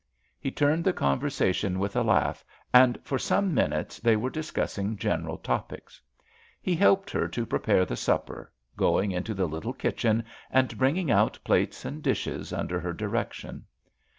He turned the conversation with a laugh, and for some minutes they were discussing general topics. He helped her to prepare the supper, going into the little kitchen and bringing out plates and dishes, under her direction.